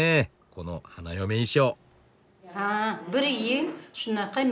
この花嫁衣装。